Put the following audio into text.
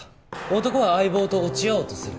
男は相棒と落ち合おうとする。